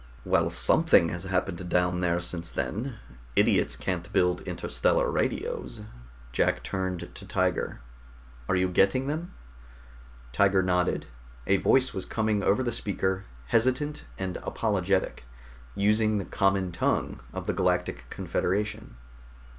"Well, something has happened down there since then. Idiots can't build interstellar radios." Jack turned to Tiger. "Are you getting them?" Tiger nodded. A voice was coming over the speaker, hesitant and apologetic, using the common tongue of the Galactic Confederation.